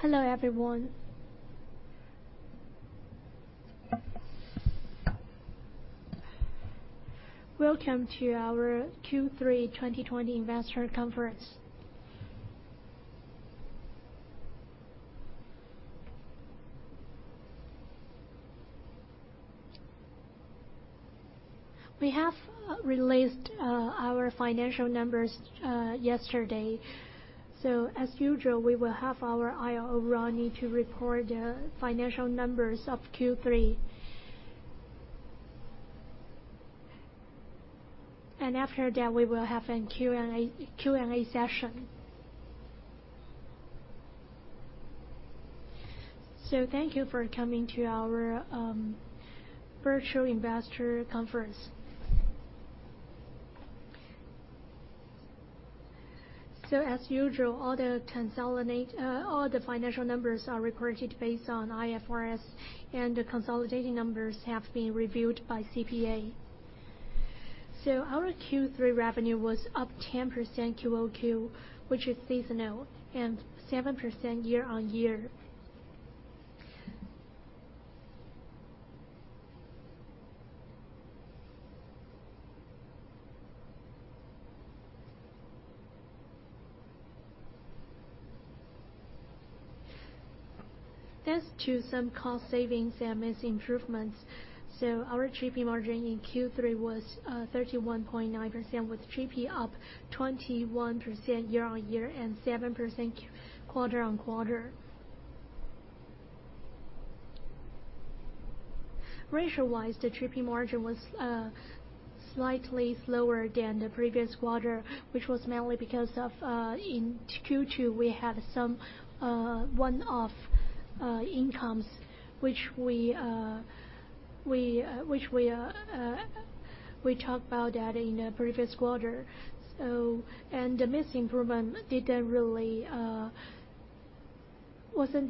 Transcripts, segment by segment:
Hello everyone. Welcome to our Q3 2020 investor conference. We have released our financial numbers yesterday. As usual, we will have our IR Ronnie to report the financial numbers of Q3. After that, we will have a Q&A session. Thank you for coming to our virtual investor conference. As usual, all the financial numbers are reported based on IFRS, and the consolidating numbers have been reviewed by CPA. Our Q3 revenue was up 10% QOQ, which is seasonal, and 7% year-on-year. Thanks to some cost savings and mix improvements, our GP margin in Q3 was 31.9%, with GP up 21% year-on-year and 7% quarter-on-quarter. Ratio wise, the GP margin was slightly lower than the previous quarter, which was mainly because in Q2 we had some one-off incomes, which we talked about that in the previous quarter. The mix improvement wasn't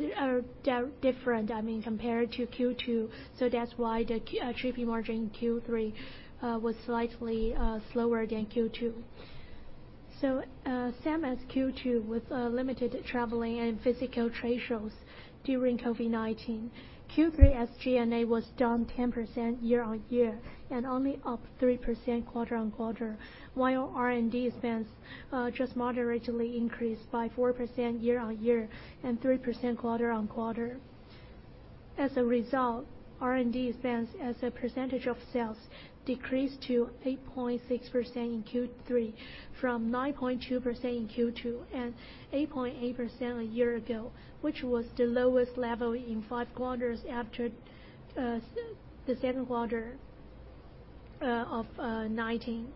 that different compared to Q2, that's why the GP margin in Q3 was slightly lower than Q2. Same as Q2, with limited traveling and physical trade shows during COVID-19. Q3 SG&A was down 10% year-on-year and only up 3% quarter-on-quarter. While R&D expense just moderately increased by 4% year-on-year and 3% quarter-on-quarter. As a result, R&D expense as a percentage of sales decreased to 8.6% in Q3 from 9.2% in Q2 and 8.8% a year ago, which was the lowest level in five quarters after the second quarter of 2019.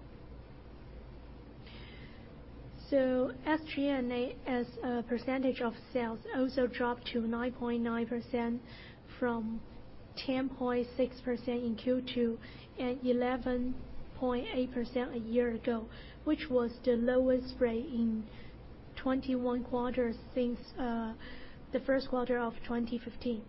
SG&A as a percentage of sales also dropped to 9.9% from 10.6% in Q2 and 11.8% a year ago, which was the lowest rate in 21 quarters since the first quarter of 2015.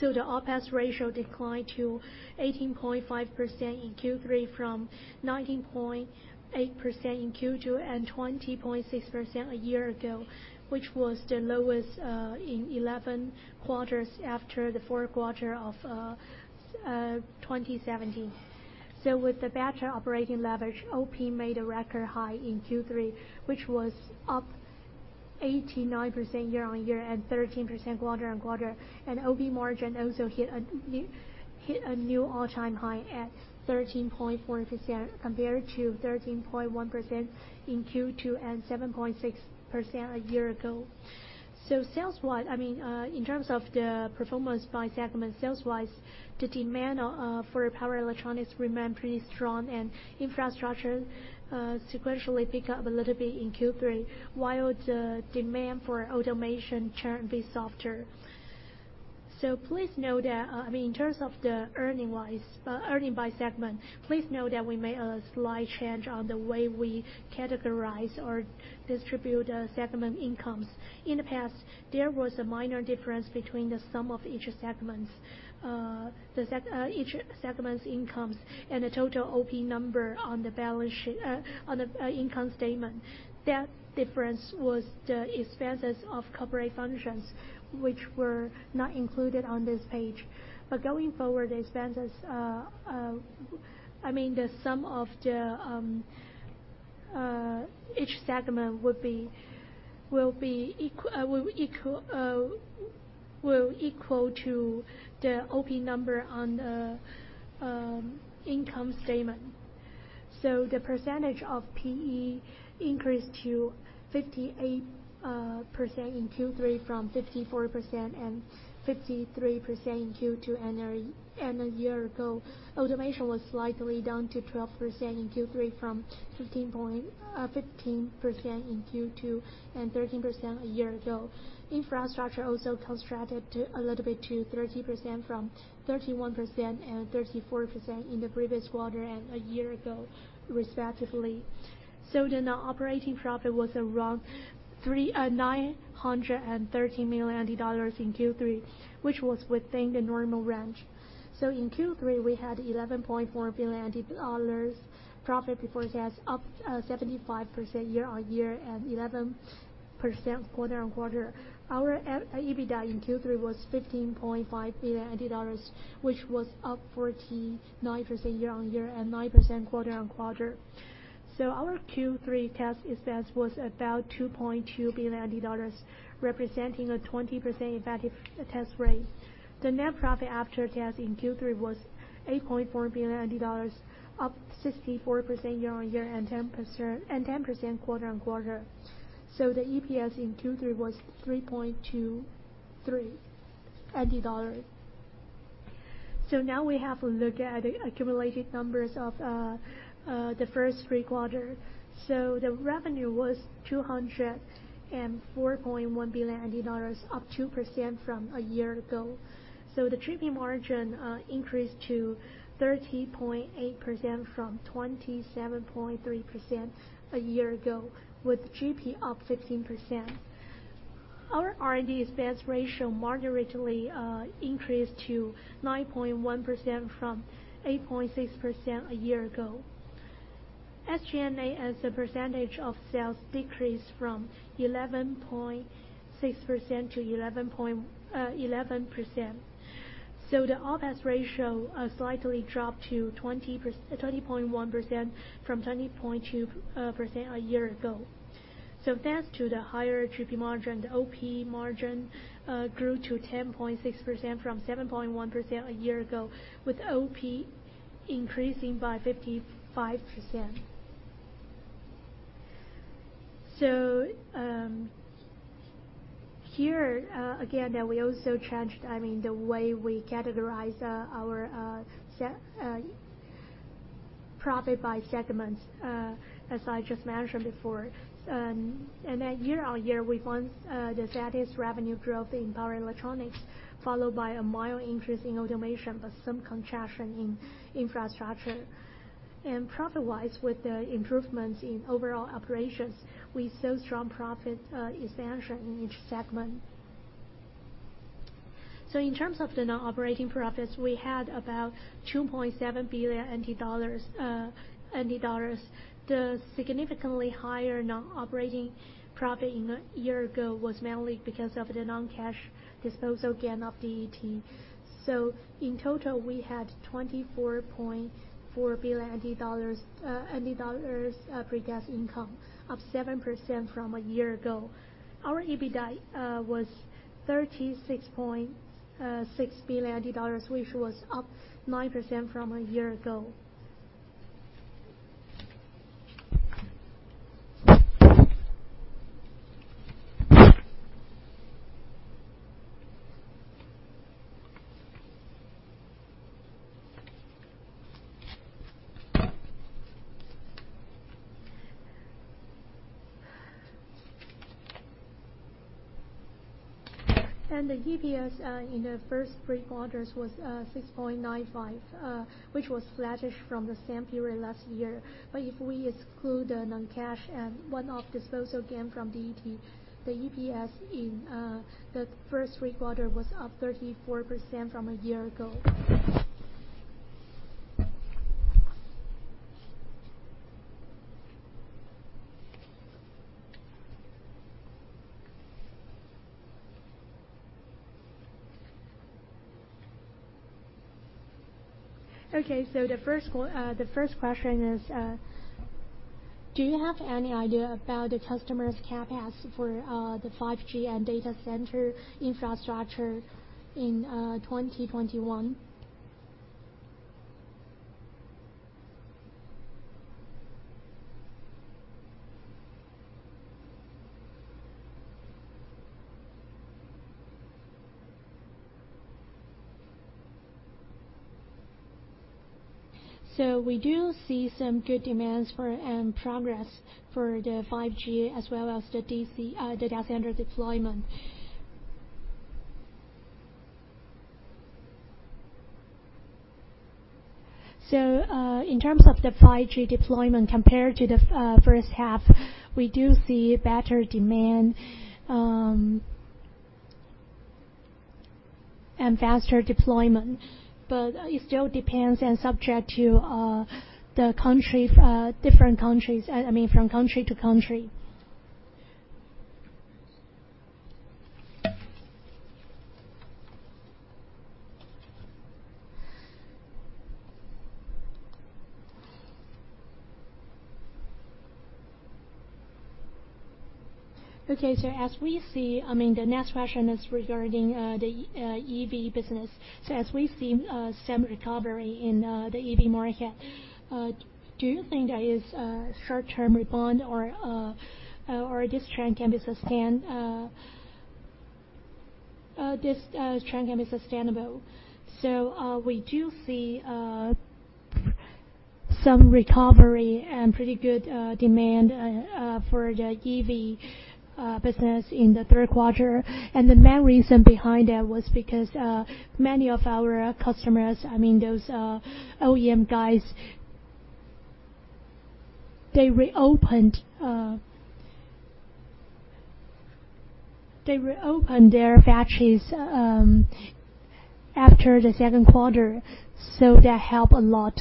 The OPEX ratio declined to 18.5% in Q3 from 19.8% in Q2 and 20.6% a year ago, which was the lowest in 11 quarters after the fourth quarter of 2017. With the better operating leverage, OP made a record high in Q3, which was up 89% year-on-year and 13% quarter-on-quarter. OP margin also hit a new all-time high at 13.4% compared to 13.1% in Q2 and 7.6% a year ago. Sales wide, in terms of the performance by segment, sales wise, the demand for power electronics remained pretty strong and infrastructure sequentially pick up a little bit in Q3, while the demand for automation turned a bit softer. Please note that, in terms of the earning by segment, please note that we made a slight change on the way we categorize or distribute segment incomes. In the past, there was a minor difference between the sum of each segment's incomes and the total OP number on the income statement. That difference was the expenses of corporate functions, which were not included on this page. Going forward, the sum of each segment will equal to the OP number on the income statement. The percentage of PE increased to 58% in Q3 from 54% and 53% in Q2 and a year ago. Automation was slightly down to 12% in Q3 from 15% in Q2 and 13% a year ago. Infrastructure also contracted a little bit to 30% from 31% and 34% in the previous quarter and a year ago, respectively. The non-operating profit was around 930 million dollars in Q3, which was within the normal range. In Q3, we had 11.4 billion dollars profit before tax, up 75% year-over-year and 11% quarter-over-quarter. Our EBITDA in Q3 was 15.5 billion dollars, which was up 49% year-over-year and 9% quarter-over-quarter. Our Q3 tax expense was about 2.2 billion dollars, representing a 20% effective tax rate. The net profit after tax in Q3 was 8.4 billion dollars, up 64% year-over-year and 10% quarter-over-quarter. The EPS in Q3 was 3.23. Now we have a look at the accumulated numbers of the first three quarters. The revenue was 204.1 billion dollars, up 2% from a year ago. The GP margin increased to 30.8% from 27.3% a year ago, with GP up 15%. Our R&D expense ratio moderately increased to 9.1% from 8.6% a year ago. SG&A as a percentage of sales decreased from 11.6% to 11%. The OPEX ratio slightly dropped to 20.1% from 20.2% a year ago. Thanks to the higher GP margin, the OP margin grew to 10.6% from 7.1% a year ago, with OP increasing by 55%. Here again, we also changed the way we categorize our profit by segment, as I just mentioned before. Year-over-year, we want the fastest revenue growth in power electronics, followed by a mild increase in automation, but some contraction in infrastructure. Profit-wise, with the improvements in overall operations, we saw strong profit expansion in each segment. In terms of the non-operating profits, we had about 2.7 billion NT dollars. The significantly higher non-operating profit a year ago was mainly because of the non-cash disposal gain of DET. In total, we had 24.4 billion NT dollars pre-tax income, up 7% from a year ago. Our EBITDA was TWD 36.6 billion, which was up 9% from a year ago. The EPS in the first three quarters was 6.95, which was flattish from the same period last year. If we exclude the non-cash and one-off disposal gain from DET, the EPS in the first three quarters was up 34% from a year ago. Okay. The first question is, do you have any idea about the customers' CapEx for the 5G and data center infrastructure in 2021? We do see some good demands and progress for the 5G as well as the data center deployment. In terms of the 5G deployment compared to the first half, we do see better demand, and faster deployment. But it still depends and subject to different countries, from country to country. Okay. The next question is regarding the EV business. As we see some recovery in the EV market, do you think that is a short-term rebound or this trend can be sustainable? We do see some recovery and pretty good demand for the EV business in the third quarter. The main reason behind that was because many of our customers, those OEM guys, They will open their factories after the second quarter, so that help a lot.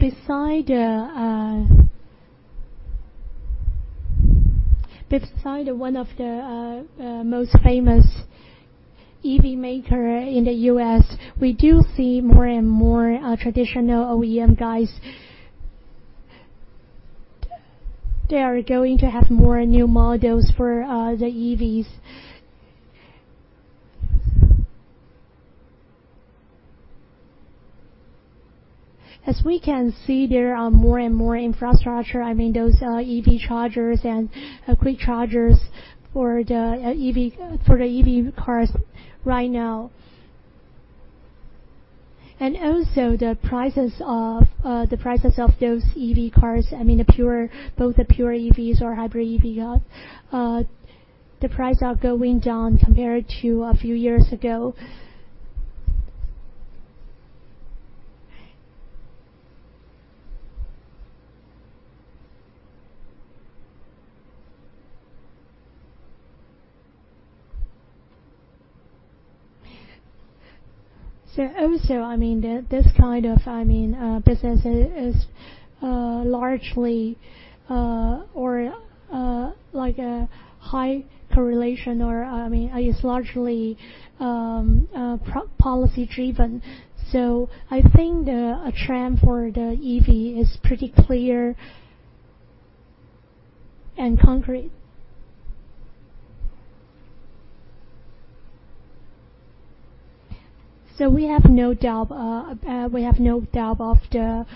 Besides one of the most famous EV maker in the U.S., we do see more and more traditional OEM guys. They are going to have more new models for the EVs. As we can see, there are more and more infrastructure, those EV chargers and quick chargers for the EV cars right now. The prices of those EV cars, both the pure EVs or hybrid EV, the price are going down compared to a few years ago. Also, this kind of business is largely or like a high correlation, or is largely policy-driven. I think the trend for the EV is pretty clear and concrete. We have no doubt of the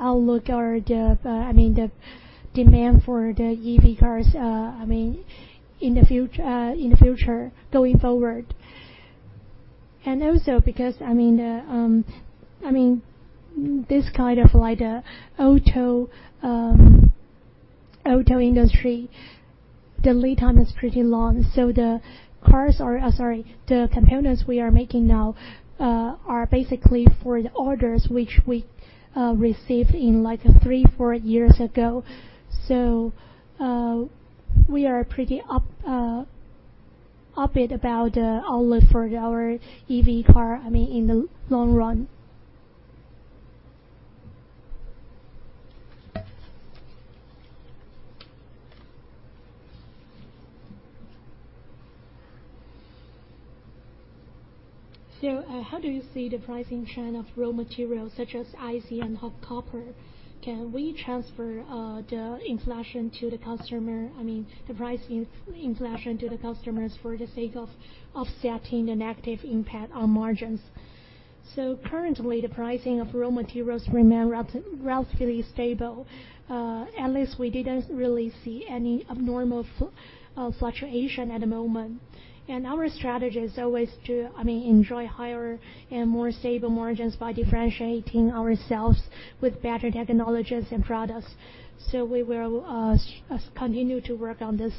outlook or the demand for the EV cars in the future going forward. Because this kind of auto industry, the lead time is pretty long. The components we are making now are basically for the orders which we received in like three, four years ago. We are pretty upbeat about the outlook for our EV car in the long run. How do you see the pricing trend of raw materials such as IC and copper? Can we transfer the inflation to the customer, the price inflation to the customers for the sake of offsetting the negative impact on margins? Currently, the pricing of raw materials remain relatively stable. At least we didn't really see any abnormal fluctuation at the moment. Our strategy is always to enjoy higher and more stable margins by differentiating ourselves with better technologies and products. We will continue to work on this.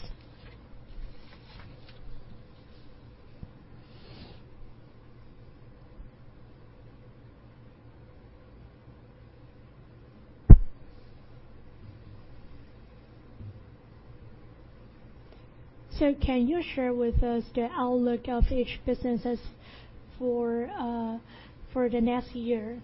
Can you share with us the outlook of each businesses for the next year?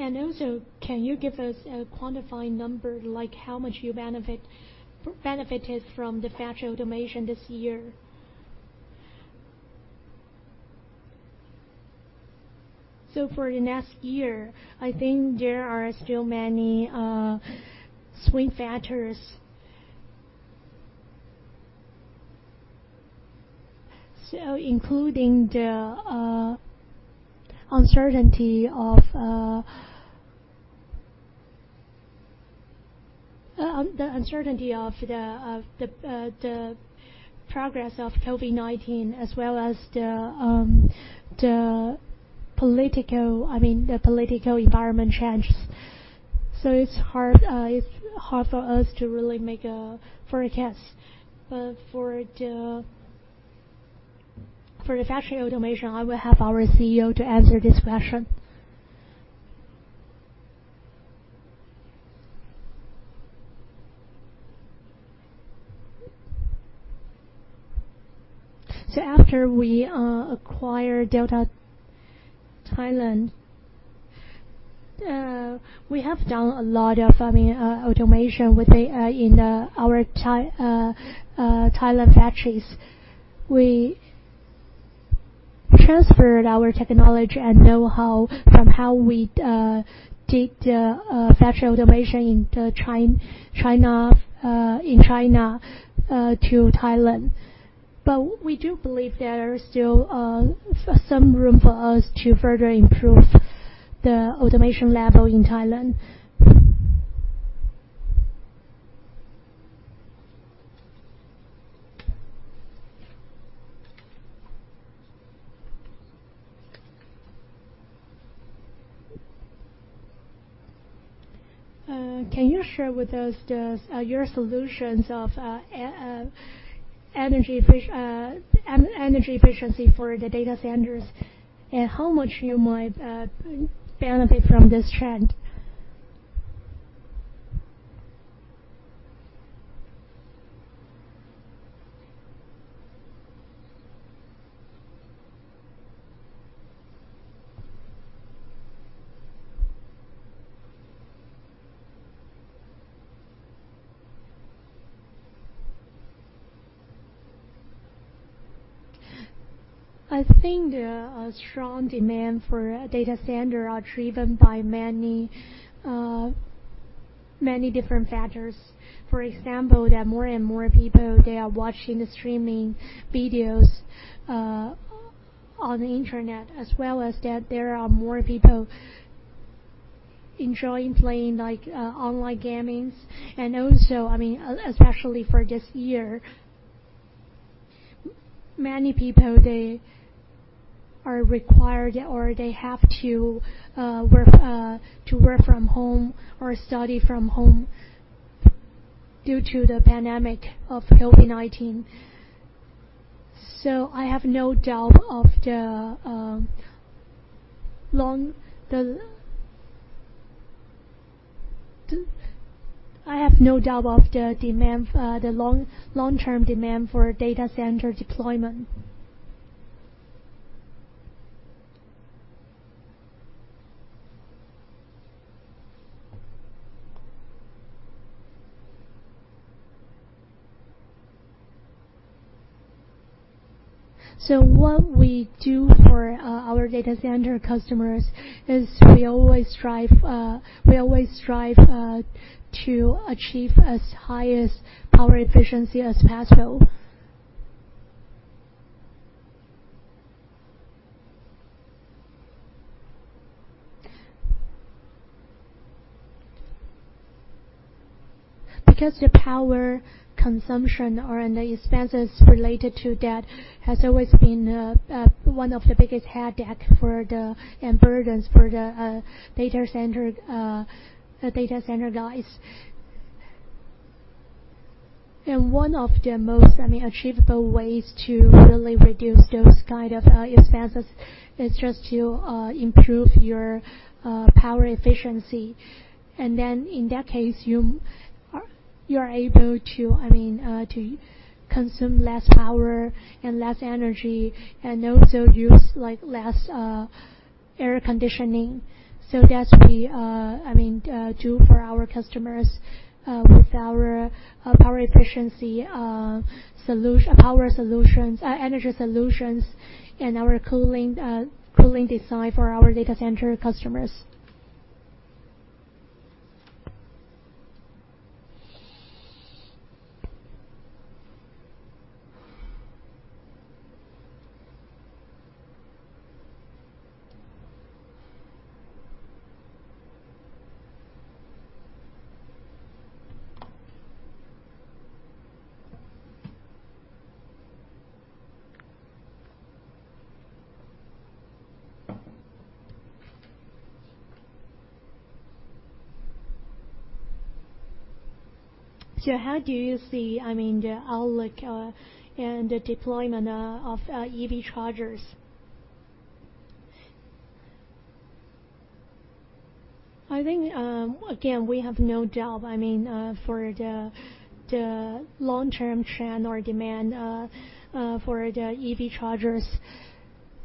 Also, can you give us a quantified number, like how much you benefited from the factory automation this year? For the next year, I think there are still many swing factors. Including the uncertainty of the progress of COVID-19 as well as the political environment changes. It's hard for us to really make a forecast. For the factory automation, I will have our CEO to answer this question. After we acquire Delta Thailand, we have done a lot of automation within our Thailand factories. We transferred our technology and know-how from how we did factory automation in China to Thailand. We do believe there is still some room for us to further improve the automation level in Thailand. Can you share with us your solutions of energy efficiency for the data centers, and how much you might benefit from this trend? I think the strong demand for data center are driven by many different factors. For example, that more and more people, they are watching the streaming videos on the internet, as well as that there are more people enjoying playing online gamings. Especially for this year, many people, they are required or they have to work from home or study from home due to the pandemic of COVID-19. I have no doubt of the long-term demand for data center deployment. What we do for our data center customers is we always strive to achieve as high a power efficiency as possible. Because the power consumption or the expenses related to that has always been one of the biggest headache and burdens for the data center guys. One of the most achievable ways to really reduce those kind of expenses is just to improve your power efficiency. In that case, you are able to consume less power and less energy, and also use less air conditioning. That's what we do for our customers with our power efficiency energy solutions, and our cooling design for our data center customers. How do you see the outlook and the deployment of EV chargers? I think, again, we have no doubt for the long-term trend or demand for the EV chargers.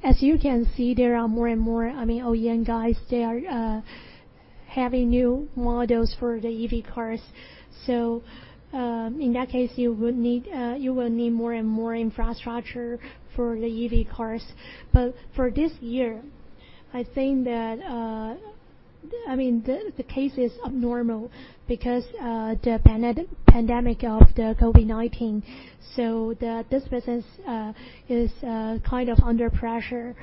As you can see, there are more and more OEM guys, they are having new models for the EV cars. In that case, you will need more and more infrastructure for the EV cars. For this year, I think that the case is abnormal because the pandemic of the COVID-19. This business is kind of under pressure.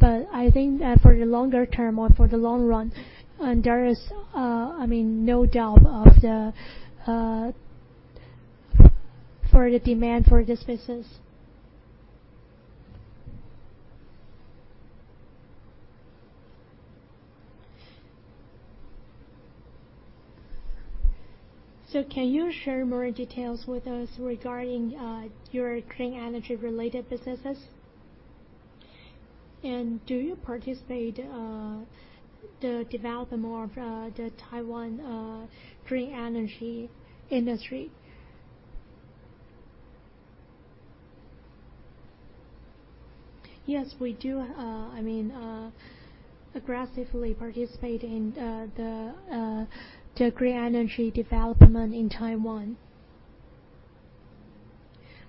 I think that for the longer term or for the long run, there is no doubt of the demand for this business. Can you share more details with us regarding your clean energy-related businesses? Do you participate the development more of the Taiwan clean energy industry? Yes, we do aggressively participate in the clean energy development in Taiwan.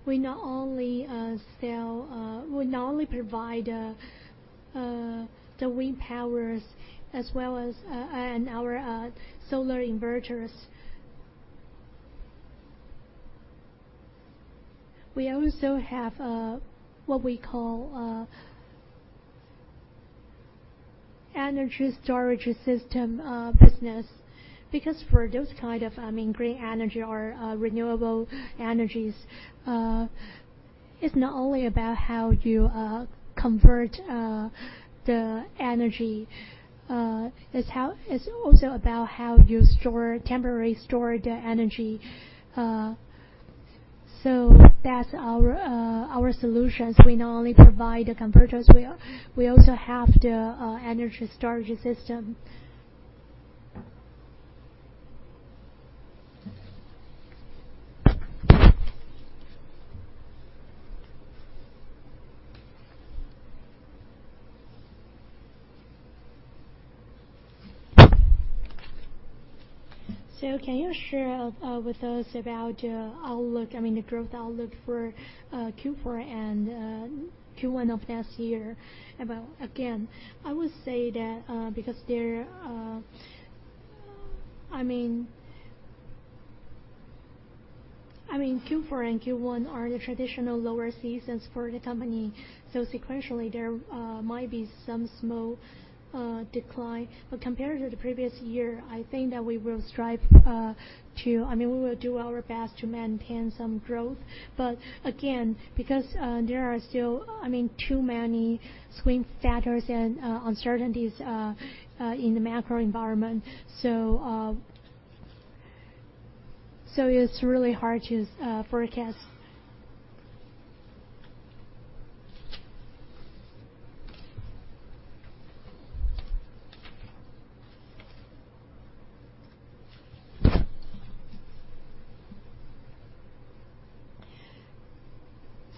We not only provide the wind powers as well as our solar inverters. We also have what we call energy storage system business. Because for those kind of green energy or renewable energies, it's not only about how you convert the energy, it's also about how you temporarily store the energy. That's our solutions. We not only provide the converters, we also have the energy storage system. Can you share with us about the growth outlook for Q4 and Q1 of next year? Again, I would say that because Q4 and Q1 are the traditional lower seasons for the company, sequentially, there might be some small decline. Compared to the previous year, I think that we will do our best to maintain some growth. Again, because there are still too many swing factors and uncertainties in the macro environment, it's really hard to forecast.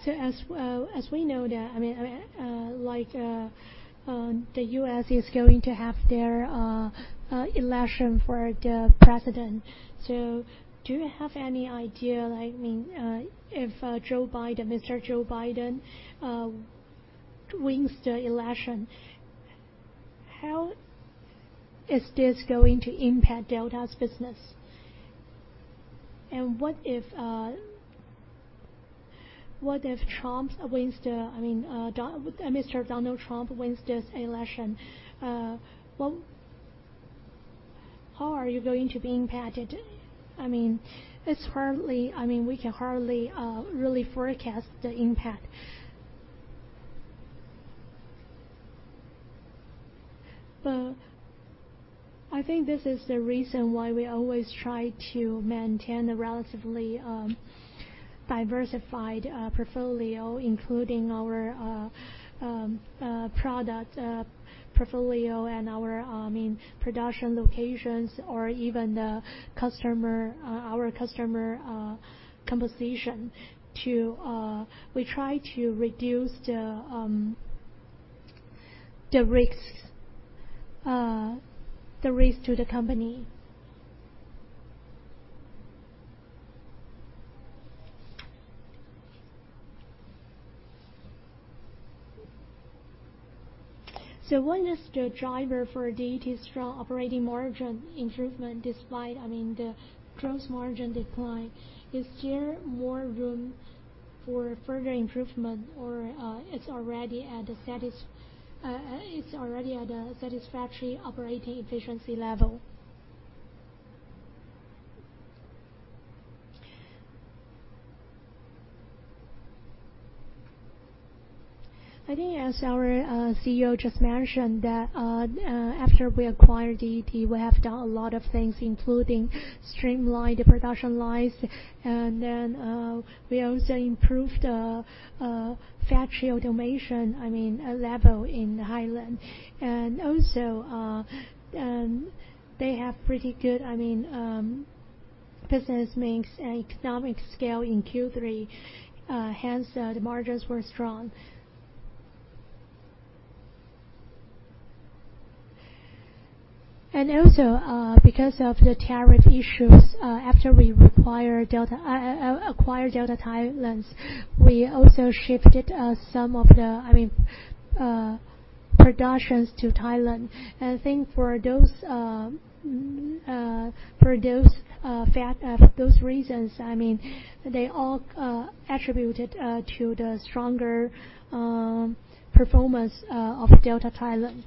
As we know, the U.S. is going to have their election for the president. Do you have any idea, if Mr. Joe Biden wins the election, how is this going to impact Delta's business? What if Mr. Donald Trump wins this election? How are you going to be impacted? We can hardly really forecast the impact. I think this is the reason why we always try to maintain a relatively diversified portfolio, including our product portfolio and our production locations or even our customer composition. We try to reduce the risks to the company. What is the driver for DET's strong operating margin improvement, despite the gross margin decline? Is there more room for further improvement, or it's already at a satisfactory operating efficiency level? I think as our CEO just mentioned, that after we acquired DET, we have done a lot of things, including streamline the production lines, we also improved the factory automation level in Thailand. Also, they have pretty good business mix and economic scale in Q3. Hence, the margins were strong. Also, because of the tariff issues, after we acquired Delta Thailand, we also shifted some of the productions to Thailand. I think for those reasons, they all attributed to the stronger performance of Delta Thailand.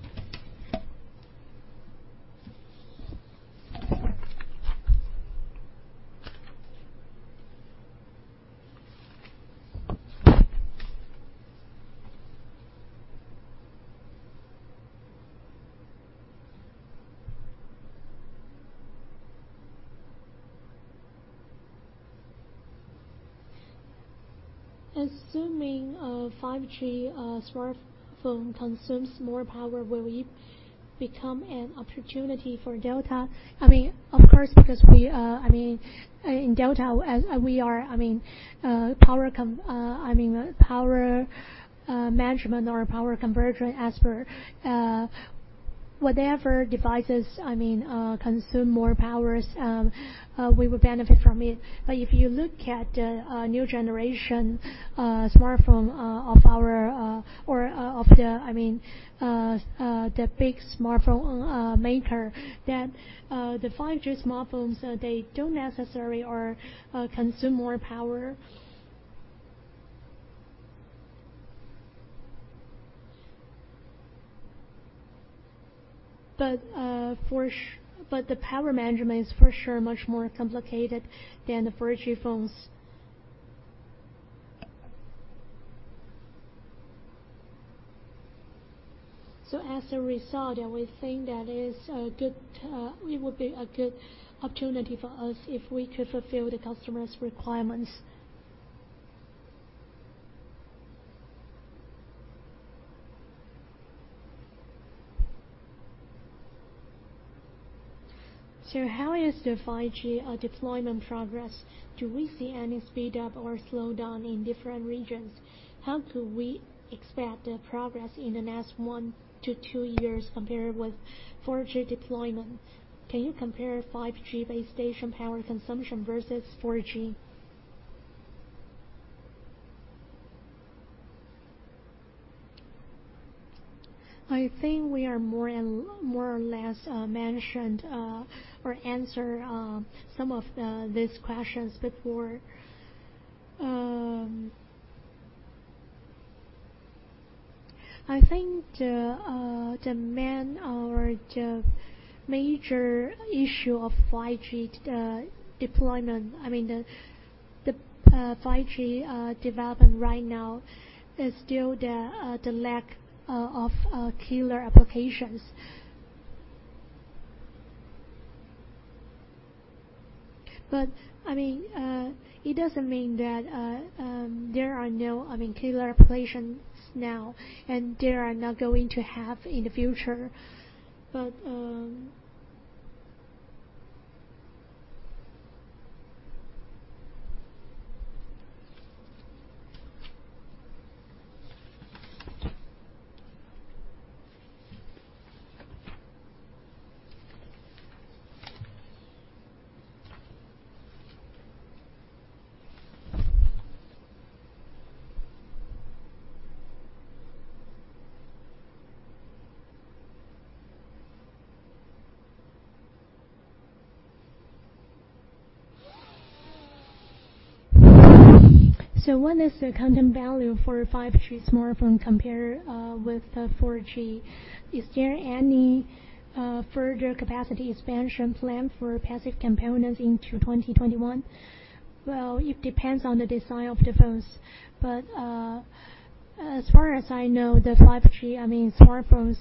Assuming a 5G smartphone consumes more power, will it become an opportunity for Delta? Of course, because in Delta, we are power management or a power converter, as per whatever devices consume more powers, we would benefit from it. If you look at the new generation smartphone of the big smartphone maker, that the 5G smartphones, they don't necessarily consume more power. The power management is for sure much more complicated than the 4G phones. As a result, we think that it would be a good opportunity for us if we could fulfill the customer's requirements. "How is the 5G deployment progress? Do we see any speed-up or slowdown in different regions? How could we expect the progress in the next 1-2 years compared with 4G deployment? Can you compare 5G base station power consumption versus 4G?" I think we more or less mentioned or answered some of these questions before. I think the main or the major issue of 5G development right now is still the lack of killer applications. It doesn't mean that there are no killer applications now, and there are not going to have in the future. What is the content value for a 5G smartphone compared with a 4G? "Is there any further capacity expansion plan for passive components into 2021?" Well, it depends on the design of the phones. As far as I know, the 5G smartphones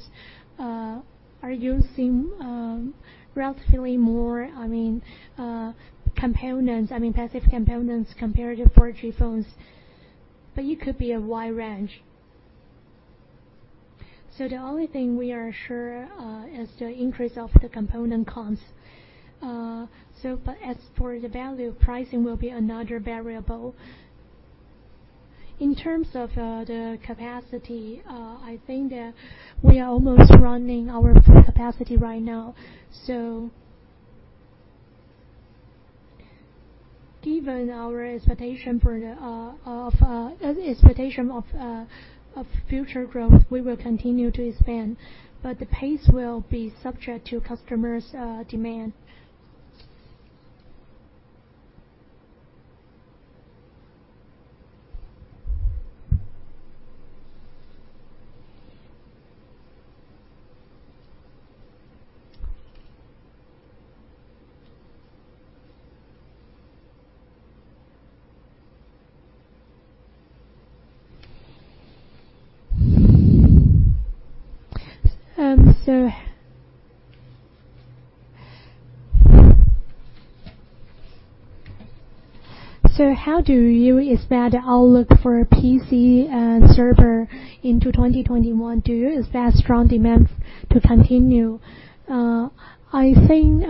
are using relatively more passive components compared to 4G phones. It could be a wide range. The only thing we are sure is the increase of the component costs. As for the value, pricing will be another variable. In terms of the capacity, I think that we are almost running our full capacity right now. Given our expectation of future growth, we will continue to expand, but the pace will be subject to customers' demand. How do you expect the outlook for PC and server into 2021? Do you expect strong demand to continue? I think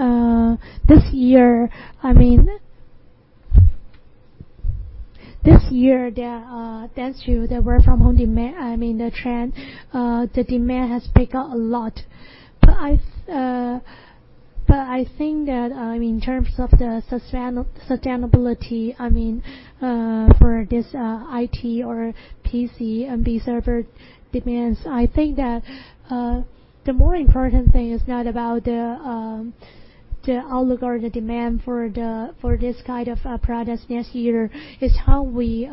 this year, due to the work from home demand, the trend, the demand has picked up a lot. I think that in terms of the sustainability for this IT or PC and the server demands, I think that the more important thing is not about the outlook or the demand for this kind of products next year, it's how we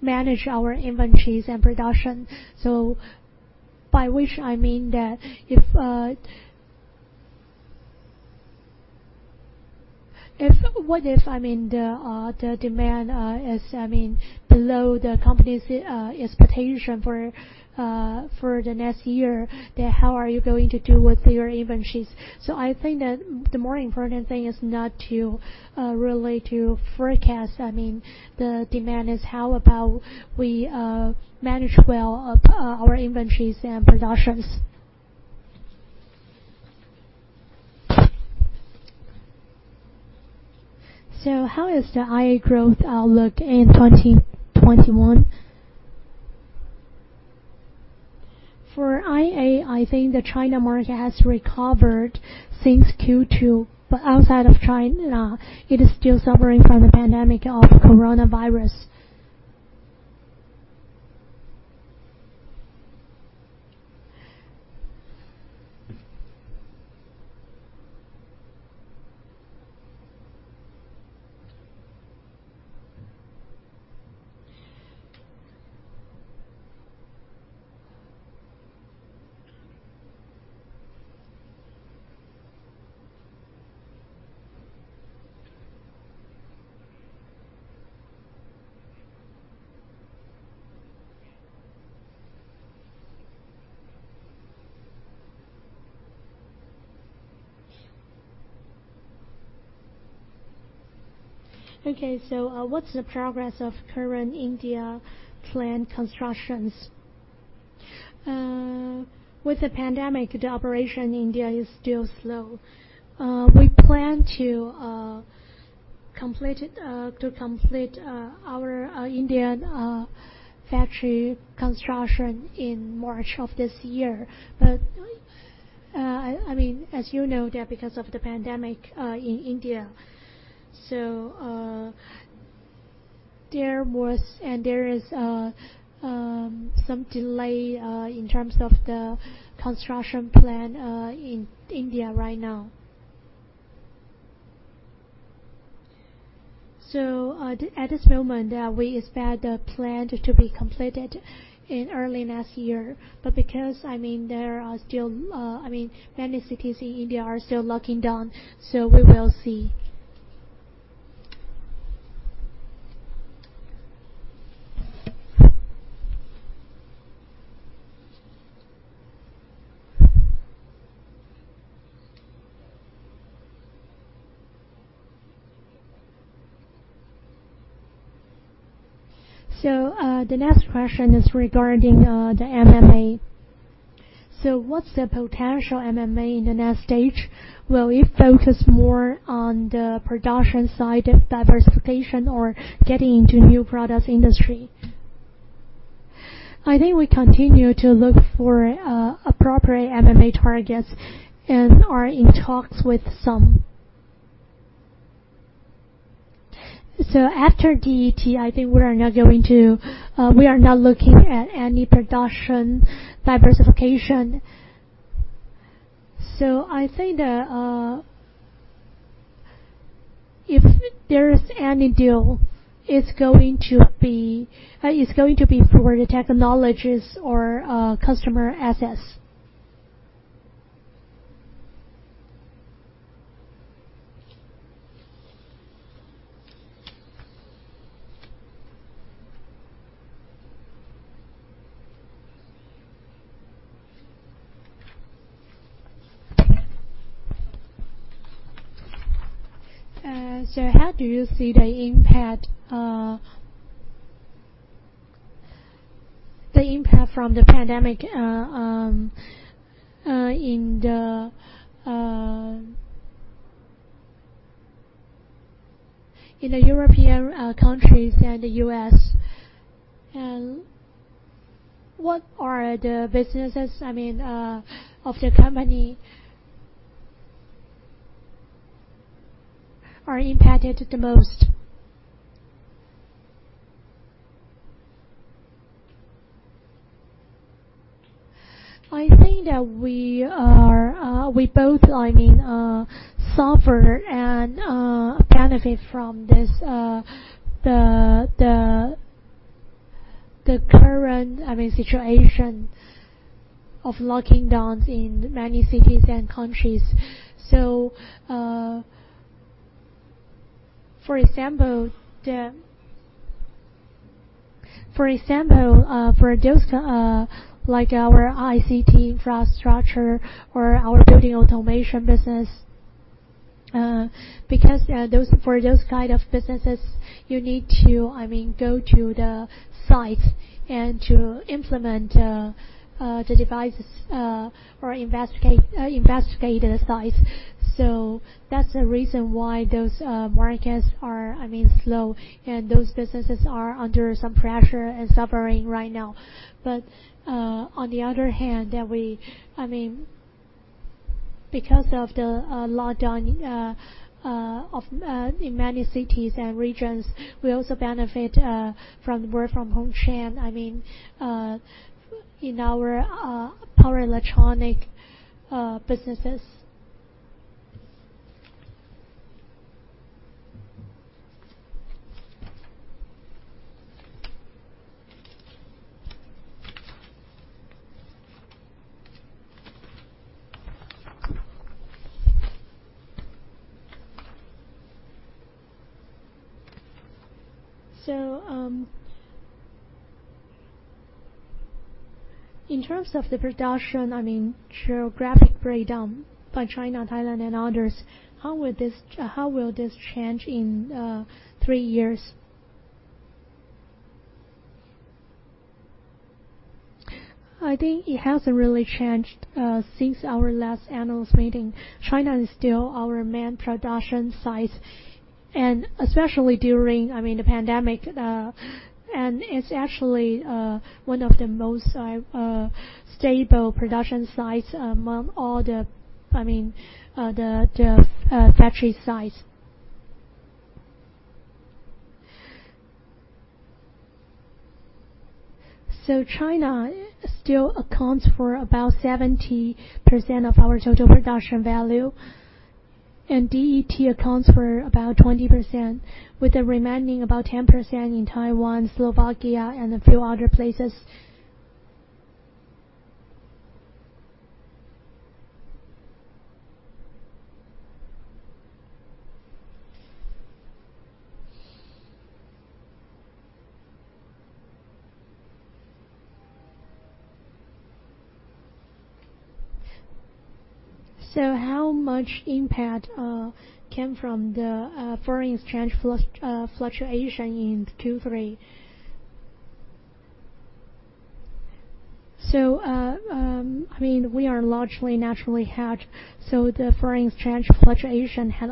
manage our inventories and production. By which I mean that what if the demand is below the company's expectation for the next year, then how are you going to do with your inventories? I think that the more important thing is not to really to forecast the demand. It's how about we manage well our inventories and productions. "How is the IA growth outlook in 2021?" For IA, I think the China market has recovered since Q2, but outside of China, it is still suffering from the pandemic of COVID-19. Okay. What's the progress of current India plant constructions? With the pandemic, the operation in India is still slow. We plan to complete our Indian factory construction in March of this year. As you know, because of the pandemic in India, there was and there is some delay in terms of the construction plan in India right now. At this moment, we expect the plant to be completed in early next year. Because many cities in India are still locking down, we will see. The next question is regarding the M&A. What's the potential M&A in the next stage? Will you focus more on the production side of diversification or getting into new products industry? I think we continue to look for appropriate M&A targets and are in talks with some. After DET, I think we are not looking at any production diversification. I think that if there is any deal, it's going to be for the technologies or customer assets. How do you see the impact from the pandemic in the European countries and the U.S., and what are the businesses of the company are impacted the most? I think that we both suffer and benefit from the current situation of lockdowns in many cities and countries. For example, for those like our ICT infrastructure or our building automation business, because for those kind of businesses, you need to go to the site and to implement the devices or investigate the site. That's the reason why those markets are slow, and those businesses are under some pressure and suffering right now. On the other hand, because of the lockdown in many cities and regions, we also benefit from the work-from-home trend in our power electronics businesses. In terms of the production geographic breakdown by China, Thailand, and others, how will this change in three years? I think it hasn't really changed since our last analyst meeting. China is still our main production site, and especially during the pandemic, and it's actually one of the most stable production sites among all the factory sites. China still accounts for about 70% of our total production value, and DET accounts for about 20%, with the remaining about 10% in Taiwan, Slovakia, and a few other places. How much impact came from the foreign exchange fluctuation in Q3? We are largely naturally hedged, the foreign exchange fluctuation had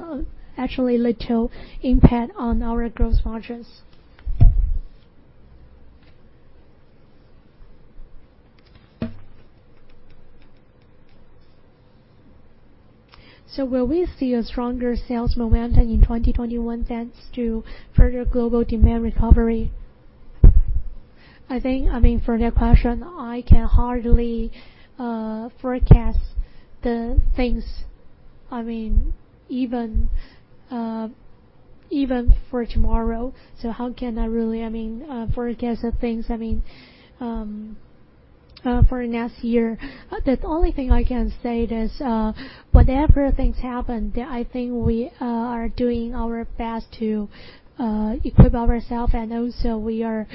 actually little impact on our gross margins. Will we see a stronger sales momentum in 2021, thanks to further global demand recovery? I think, for that question, I can hardly forecast things even for tomorrow, how can I really forecast things for next year? The only thing I can say is, whatever things happen, that I think we are doing our best to equip ourselves, and also we are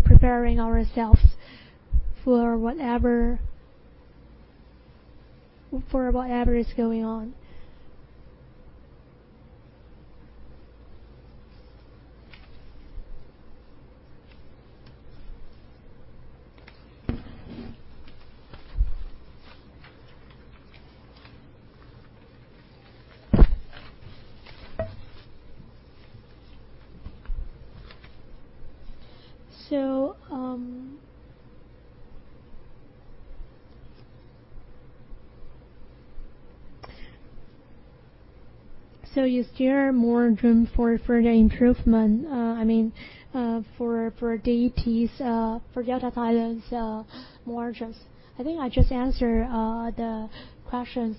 preparing ourselves for whatever is going on. Is there more room for further improvement, I mean for DET's, for Delta Thailand's margins? I think I just answered the questions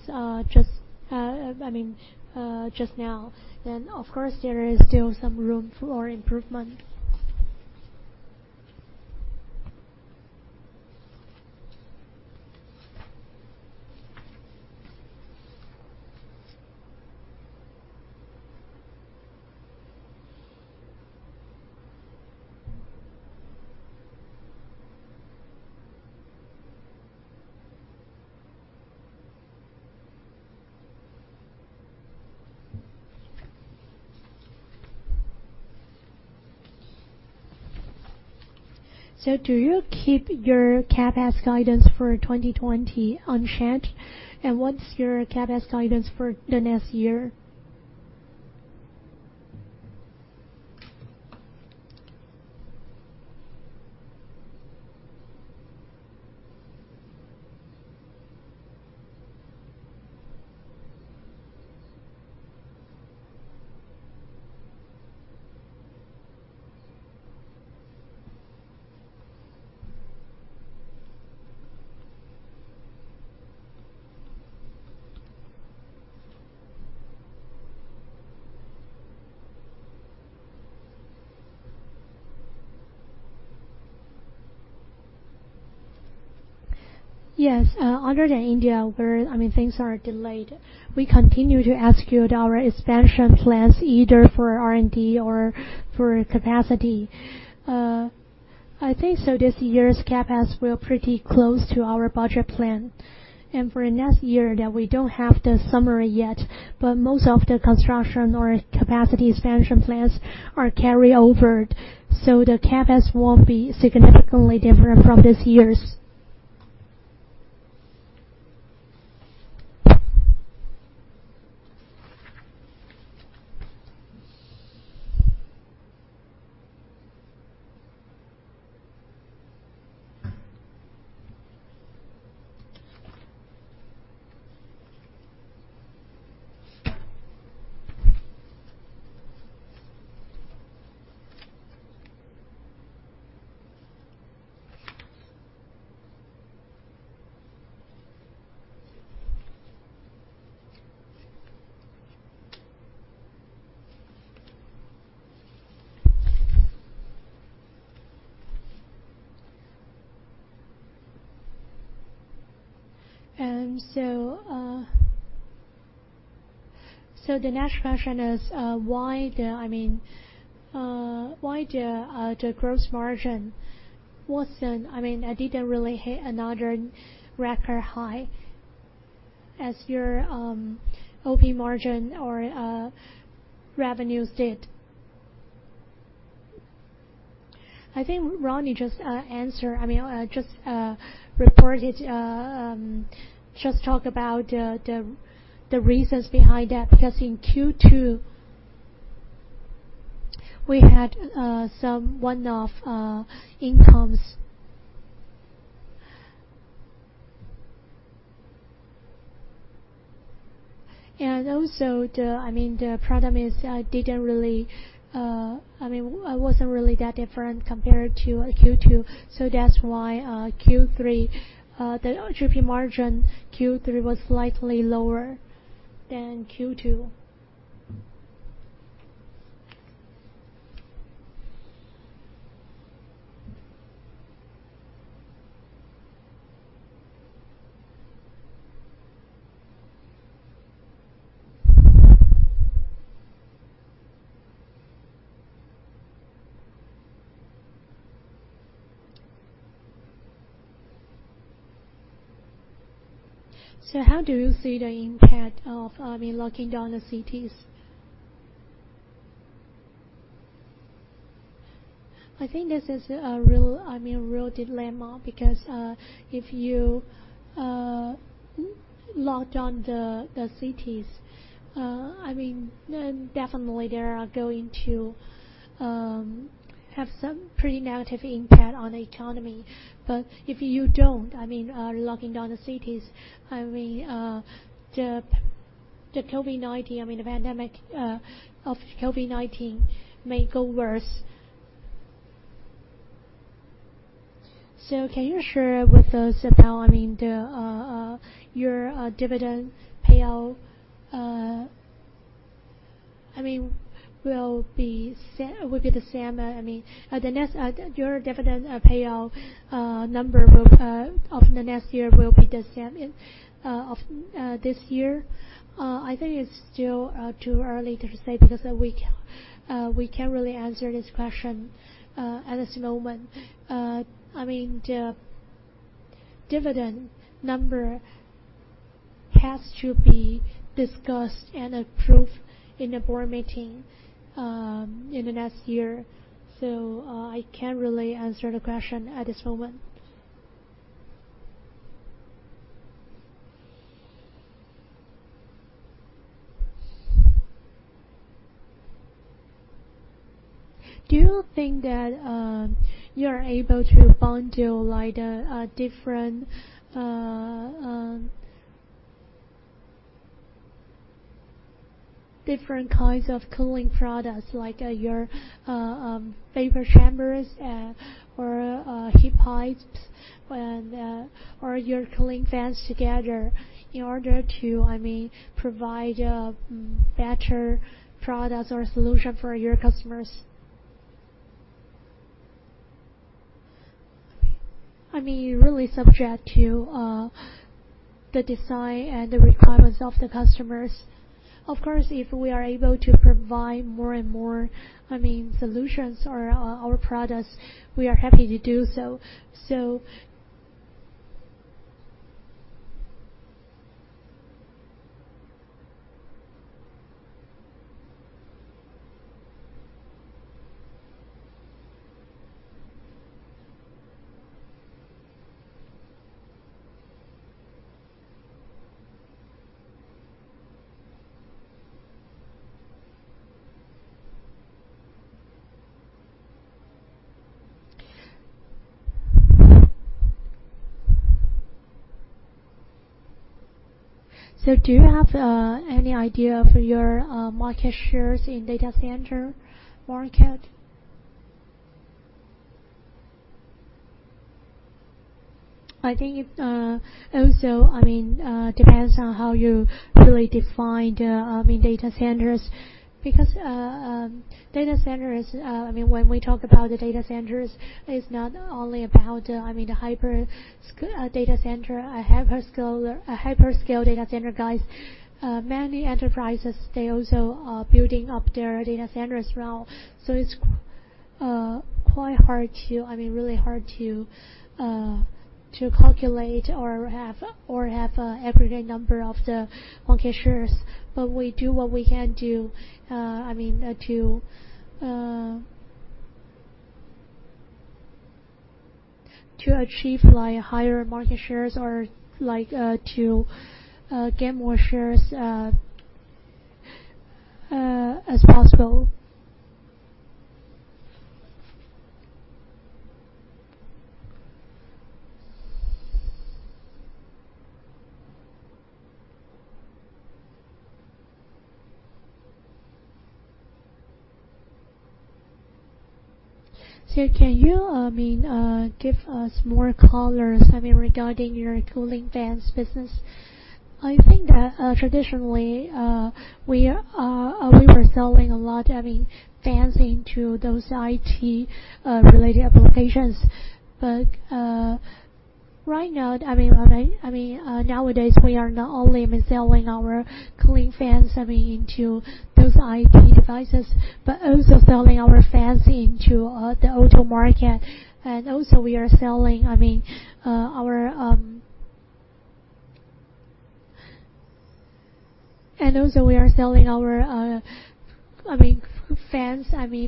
just now, and of course, there is still some room for improvement. Do you keep your CapEx guidance for 2020 unchanged, and what's your CapEx guidance for the next year? Yes, other than India where things are delayed, we continue to execute our expansion plans either for R&D or for capacity. I think this year's CapEx, we're pretty close to our budget plan. For next year, that we don't have the summary yet, but most of the construction or capacity expansion plans are carried over. The CapEx won't be significantly different from this year's. The next question is why the gross margin didn't really hit another record high as your OP margin or revenues did. Rodney just talked about the reasons behind that, because in Q2, we had some one-off incomes. The problem is it wasn't really that different compared to Q2. That's why the gross profit margin Q3 was slightly lower than Q2. How do you see the impact of locking down the cities? This is a real dilemma, because if you lock down the cities, definitely they are going to have some pretty negative impact on the economy. If you don't lock down the cities, the pandemic of COVID-19 may get worse. Can you share with us about your dividend payout? Will your dividend payout number of the next year will be the same of this year? It's still too early to say, because we can't really answer this question at this moment. The dividend number has to be discussed and approved in a board meeting in the next year. I can't really answer the question at this moment. Do you think that you're able to bundle different kinds of cooling products, like your vapor chambers or heat pipes, or your cooling fans together in order to provide better products or solution for your customers? It really subject to the design and the requirements of the customers. Of course, if we are able to provide more and more solutions or our products, we are happy to do so. Do you have any idea for your market shares in data center market? It also depends on how you really define data centers, because when we talk about the data centers, it's not only about the hyperscale data center guys. Many enterprises, they also are building up their data centers now. It's really hard to calculate or have an aggregate number of the market shares. We do what we can do to achieve higher market shares or to get more shares as possible. Can you give us more colors regarding your cooling fans business? Traditionally we were selling a lot of fans into those IT-related applications. Nowadays, we are not only selling our cooling fans into those IT devices, also selling our fans into the auto market. We are selling our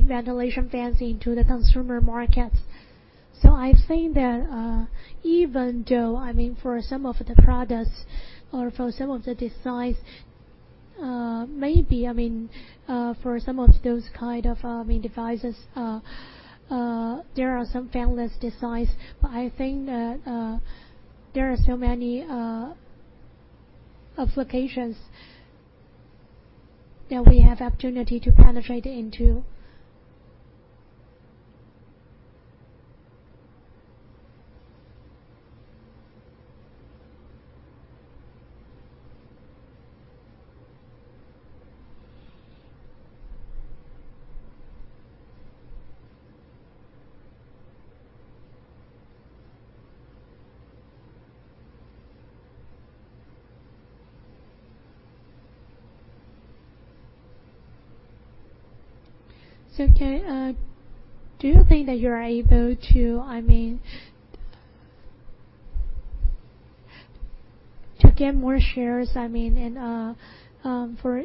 ventilation fans into the consumer markets. I think that even though for some of the products or for some of the designs, Maybe, for some of those kind of devices, there are some fanless designs, but I think that there are so many applications that we have the opportunity to penetrate into. Do you think that you are able to get more shares in your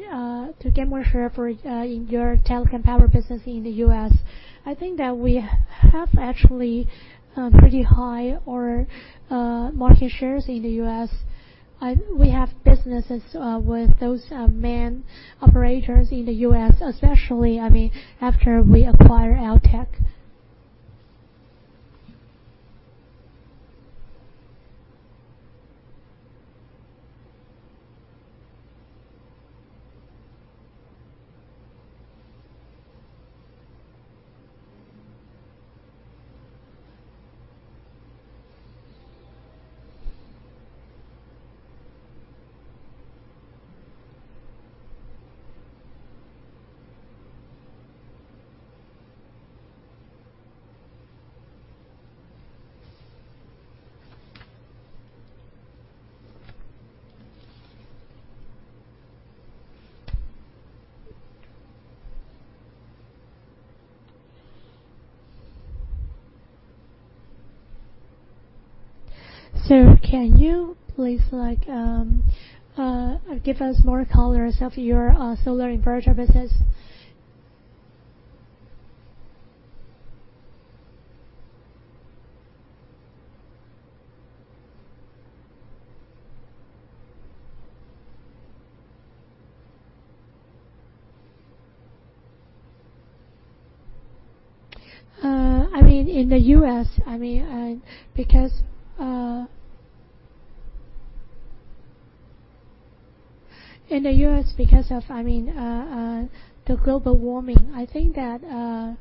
telecom power business in the U.S.? I think that we have actually pretty high market shares in the U.S. We have businesses with those main operators in the U.S., especially after we acquired Eltek. Can you please give us more colors of your solar inverter business? In the U.S., because of global warming, I think that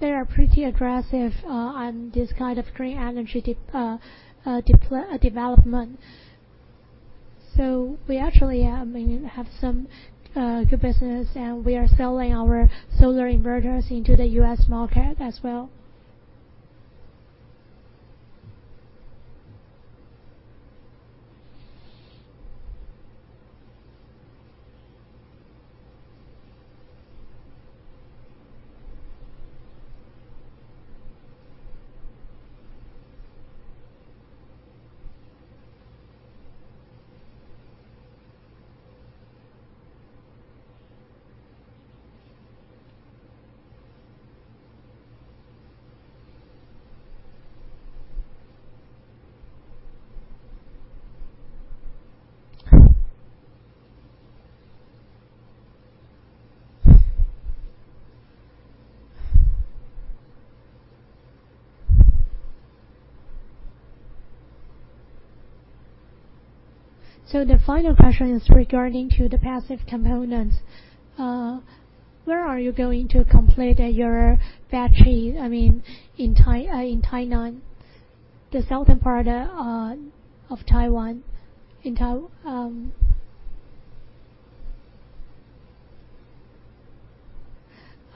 they are pretty aggressive on this kind of green energy development. We actually have some good business, and we are selling our solar inverters into the U.S. market as well. The final question is regarding the passive components. Where are you going to complete your factory in Tainan, the southern part of Taiwan?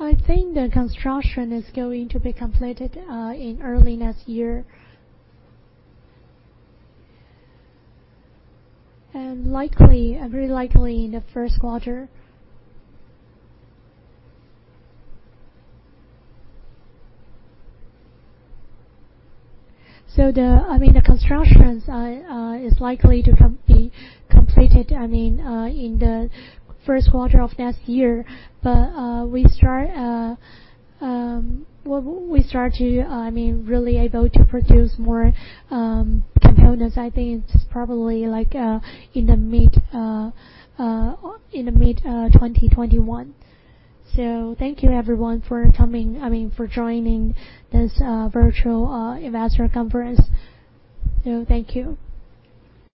I think the construction is going to be completed in early next year. Very likely in the first quarter. The construction is likely to be completed in the first quarter of next year. We start to be really able to produce more components, I think, probably in mid-2021. Thank you everyone for joining this virtual investor conference. Thank you.